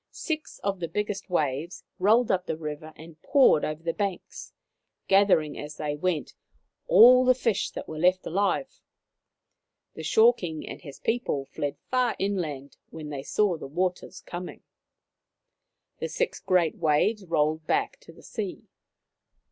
Six of the biggest waves rolled up the river and poured over the banks, gathering as they went all 154 Maoriland Fairy Tales the fish that were left alive. The Shore King and his people fled far inland when they saw the waters coming. The six great waves rolled back to the sea.